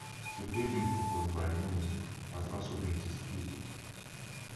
The dating proposed by Muir has also been disputed.